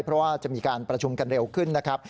เพราะว่าจะมีการประชุมกันเร็วขึ้นนะครับ